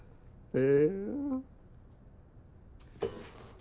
え？